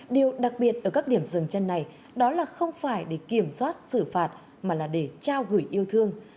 điều đặc biệt ở các điểm dừng chân này đó là không phải để kiểm soát xử phạt mà là để trao gửi yêu thương